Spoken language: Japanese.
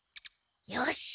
よし！